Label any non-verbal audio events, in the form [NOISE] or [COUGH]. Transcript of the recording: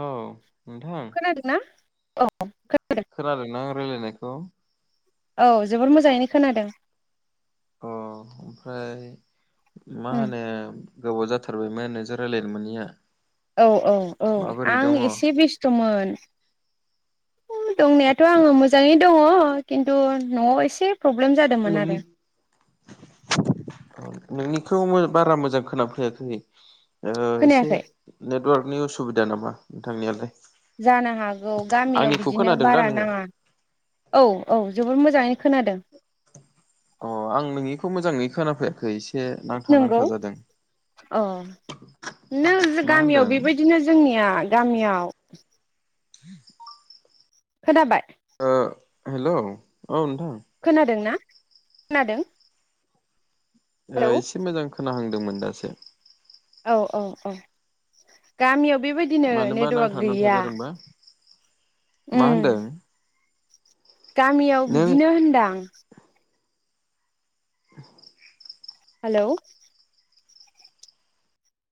औ नोंथां औ [UNINTELLIGIBLE] खोनादोंना आं रायलायनायखौ [UNINTELLIGIBLE] औ जोबोर मोजाङैनो खोनादों। अ ओमफ्राय मा उम होनो? गोबाव जाथारबायमोन नोंजों रायलायनो मोनिया। औ औ औ आं एसे बेस्थ'मोन। दंनायाथ' आङो मोजाङै दङ खिन्थु न'आव एसे प्रब्लेम जादोंमोन नोंनि आरो। नोंनिखौ मो बारा मोजां खोनाफैयाखै। ओ एसे खोनायाखै नेटवार्क नि उसुबिदा नामा नोंथांनियालाय? जानो हागौ गामियाव आंनिखौ बिदिनो खोनादों दा बारा नोङो नाङा औ औ। जोबोर मोजाङैनो खोनादों। अ आं नोंनिखौ मोजाङै खोनाफैयाखै एसे नांथा नंगौ नांथा जादों अ नोजो मा गामियाव होनदों बेबायदिनो जोंनिया। गामियाव खोनाबाय? ओ हेलौ औ नोंथां खोनादों ना? खोनादों? ओ हेलौ एसे मोजां खोनाहांदोंमोन दासो औ औ औ गामियाव बेबायदिनो मानोबा नेटवार्क नांथा नांथा गैया जादोंबा मा ओं होनदों गामियाव नों बिदिनो होनदां हेलौ